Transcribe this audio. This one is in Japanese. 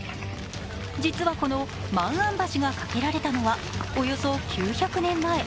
実はこの万安橋が架けられたのはおよそ９００年前。